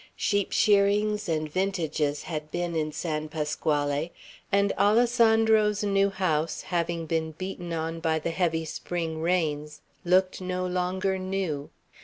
Sheep shearings and vintages had been in San Pasquale; and Alessandro's new house, having been beaten on by the heavy spring rains, looked no longer new.